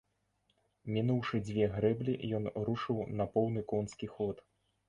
Мінуўшы дзве грэблі, ён рушыў на поўны конскі ход.